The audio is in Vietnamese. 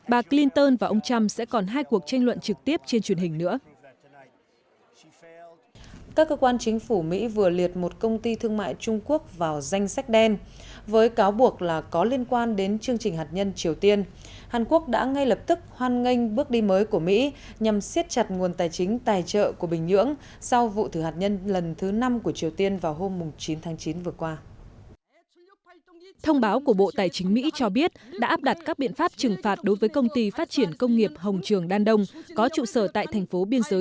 bà clinton và ông trump sẽ còn hai cuộc tranh luận trực tiếp trên truyền hình